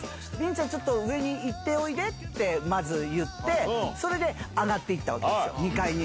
凛ちゃん、ちょっと上に行っておいでって、まず言って、それで上がっていったわけですよ、２階に。